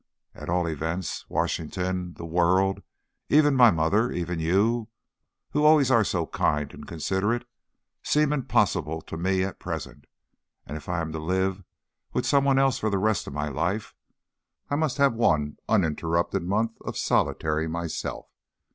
At all events, Washington, 'the world,' even my mother, even you, who always are so kind and considerate, seem impossible to me at present; and if I am to live with some one else for the rest of my life, I must have one uninterrupted month of solitary myself.